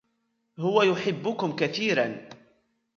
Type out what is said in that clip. هو يحبكم كثيرًا.